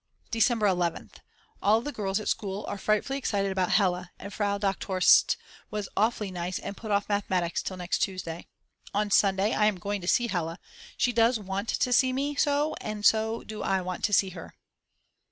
December 11th. All the girls at school are frightfully excited about Hella, and Frau Dr. St. was awfully nice and put off mathematics till next Tuesday. On Sunday I am going to see Hella. She does want to see me so and so do I want to see her.